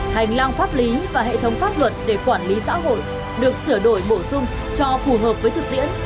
hành lang pháp lý và hệ thống pháp luật để quản lý xã hội được sửa đổi bổ sung cho phù hợp với thực tiễn